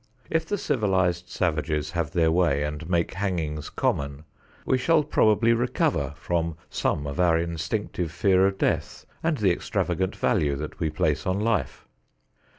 If the civilized savages have their way and make hangings common, we shall probably recover from some of our instinctive fear of death and the extravagant value that we place on life.